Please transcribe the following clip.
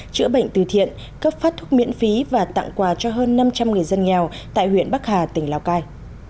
chữa bệnh từ thiện cấp phát thuốc miễn phí và tặng quà cho hơn năm trăm linh người dân nghèo tại huyện bắc hà tỉnh lào cai